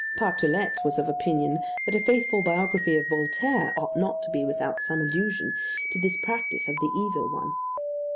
Patouillet was of opinion that a faithful biography of Voltaire ought not to be without some allusion to this practice of the evil one.